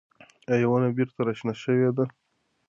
ایا ونه بېرته راشنه شوې ده؟